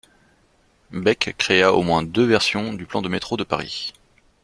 Beck créa au moins deux versions du plan du métro de Paris.